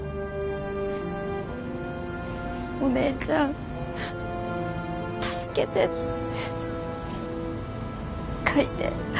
「お姉ちゃん助けて」って書いてあるよね？